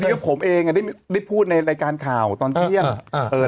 คือผมเองได้พูดในรายการข่าวตอนเที่ยง